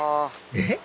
えっ⁉